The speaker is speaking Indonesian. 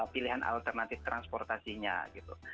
pilihan alternatif transportasinya gitu